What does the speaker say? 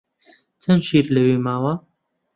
چەند شیر لەوێ ماوە؟